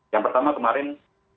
yang pertama kemarin